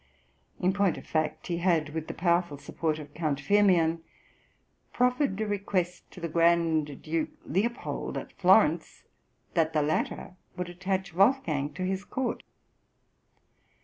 In point of fact he had, with the powerful support of Count Firmian, proferred a request to the Grand Duke Leopold at Florence that the latter would attach Wolfgang to his court.